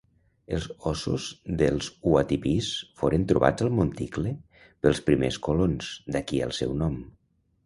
Els ossos dels uapitís foren trobats al monticle pels primers colons, d'aquí el seu nom.